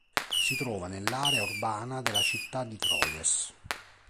Si trova nell'area urbana della città di Troyes.